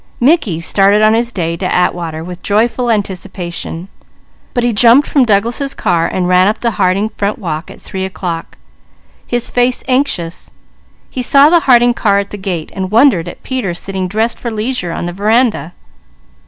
Mickey started on his day to Atwater with joyful anticipation, but he jumped from Douglas' car and ran up the Harding front walk at three o'clock, his face anxious. He saw the Harding car at the gate, and wondered at Peter sitting dressed for leisure on the veranda.